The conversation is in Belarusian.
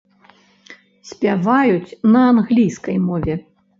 Спяваюць на англійскай мове.